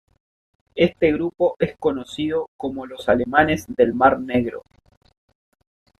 Este grupo es conocido como los alemanes del mar Negro.